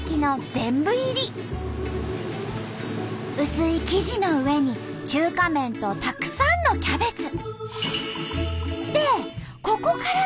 薄い生地の上に中華麺とたくさんのキャベツ。